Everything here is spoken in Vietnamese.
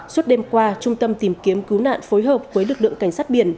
suốt đêm qua trung tâm tìm kiếm cứu nạn phối hợp với lực lượng cảnh sát biển